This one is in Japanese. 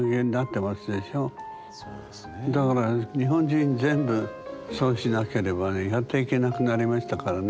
だから日本人全部そうしなければねやっていけなくなりましたからね。